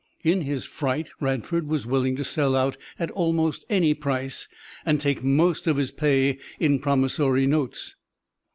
In his fright Radford was willing to sell out at almost any price and take most of his pay in promissory notes.